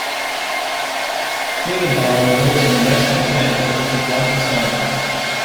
Seigenthaler lives in Weston, Connecticut with his wife and son.